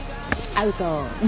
アウトー。